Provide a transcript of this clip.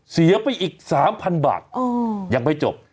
เสียไปอีก๓๐๐๐บาทยังไม่จบ